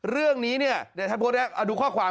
เรื่องนี้เนี่ยเอาดูข้อความ